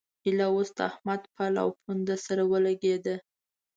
ايله اوس د احمد پل او پونده سره ولګېده.